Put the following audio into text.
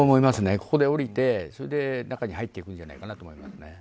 ここで降りて、中に入っていくんじゃないかと思います。